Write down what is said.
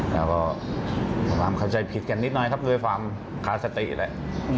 แล้วก็ความเข้าใจผิดอีกฐานนิดน้อนนะครับคือเวลาคาสติอีกแล้ว